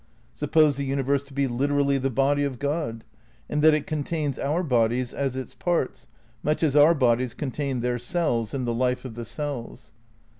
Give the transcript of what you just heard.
Suppose the universe to be literally the body of God, and that it contains our bodies as its parts, much as our bodies contain their cells and the life of the cells.